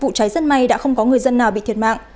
vụ cháy rất may đã không có người dân nào bị thiệt mạng